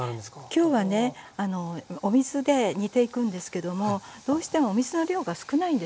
できょうはねお水で煮ていくんですけどもどうしてもお水の量が少ないんですね。